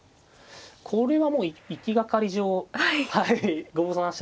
これはもう行きがかり上５三飛車